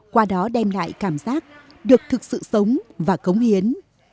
qua đó đem lại cảm giác được thực sự sống và cống hiến